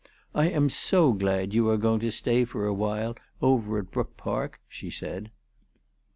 " I am so glad you are going to stay for awhile over at Brook Park," she said.